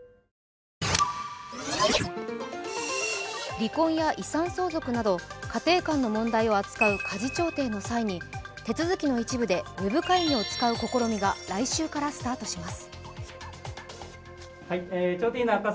離婚や遺産相続など家庭間の問題を扱う家事調停の際に手続きの一部でウェブ会議を使う試みが来週からスタートします。